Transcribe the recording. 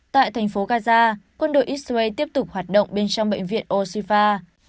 tại thành phố gaza quân đội israel tiếp tục hoạt động bên trong bệnh viện osifa